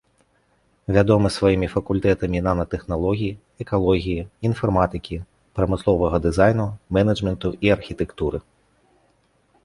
Вядомы сваімі факультэтамі нанатэхналогій, экалогіі, інфарматыкі, прамысловага дызайну, менеджменту і архітэктуры.